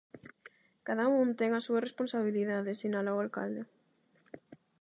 "Cada un ten a súa responsabilidade", sinala o alcalde.